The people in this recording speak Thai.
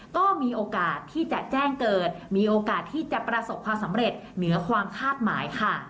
ก็มีโอกาสที่จะแจ้งเกิดมีโอกาสที่จะประสบความสำเร็จเหนือความคาดหมายค่ะ